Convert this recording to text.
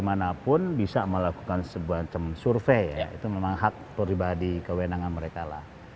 manapun bisa melakukan sebuah survei ya itu memang hak pribadi kewenangan mereka lah